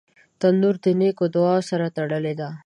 تنور د نیکو دعاوو سره تړلی دی